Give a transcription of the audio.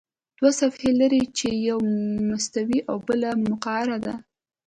دوه صفحې لري چې یوه مستوي او بله مقعره ده.